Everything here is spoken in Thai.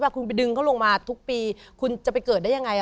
คุณไปดึงเขาลงมาทุกปีคุณจะไปเกิดได้ยังไง